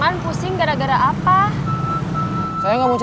yaudah bagaimana menurutmu edgar